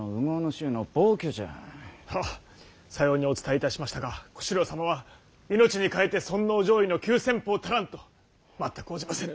さようにお伝えいたしましたが小四郎様は「命に代えて尊王攘夷の急先鋒たらん」と全く応じませぬ。